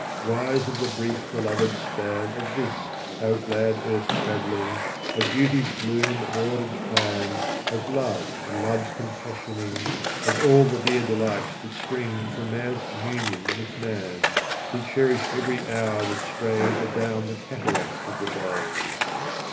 Wise of the brief belovèd span Of this our glad earth travelling, Of beauty's bloom and ordered plan, Of love and love's compassioning, Of all the dear delights that spring From man's communion with man; We cherish every hour that strays Adown the cataract of the days.